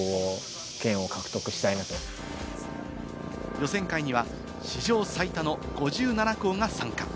予選会には史上最多の５７校が参加。